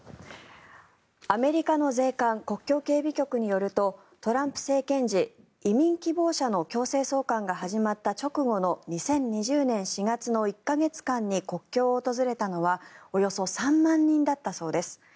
アメリカの税関・国境警備局によるとトランプ政権時移民希望者の強制送還が始まった直後の２０２０年４月の１か月間に国境を訪れたのはおよそ３万人だったそうです。